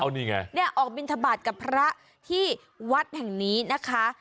นี่ไงเนี่ยออกบินทบาทกับพระที่วัดแห่งนี้นะคะ